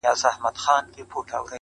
پرېږده چي لمبې پر نزله بلي کړي!.